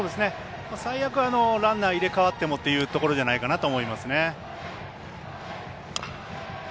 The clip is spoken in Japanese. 最悪、ランナー入れ代わってもっていうところじゃないでしょうか。